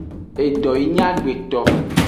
Edo yi nyi agbeto.